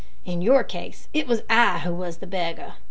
In your case it was I who was the beggar.